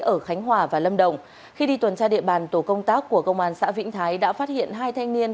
ở khánh hòa và lâm đồng khi đi tuần tra địa bàn tổ công tác của công an xã vĩnh thái đã phát hiện hai thanh niên